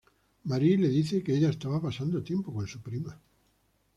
Marie le dice que ella estaba pasando tiempo con su prima.